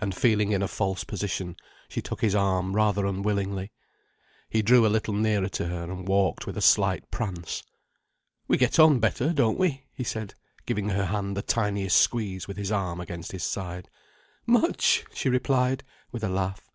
And feeling in a false position, she took his arm, rather unwillingly. He drew a little nearer to her, and walked with a slight prance. "We get on better, don't we?" he said, giving her hand the tiniest squeeze with his arm against his side. "Much!" she replied, with a laugh.